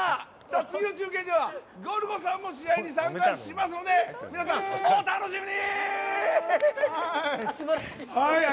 次の中継ではゴルゴさんも試合に参加しますので皆さん、お楽しみに！